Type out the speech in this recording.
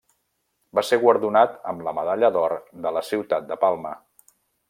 Va ser guardonat amb la Medalla d'Or de la Ciutat de Palma.